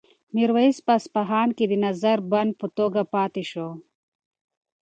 میرویس په اصفهان کې د نظر بند په توګه پاتې شو.